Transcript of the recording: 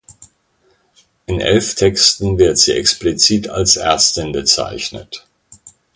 In elf Texten wird sie explizit als Ärztin bezeichnet.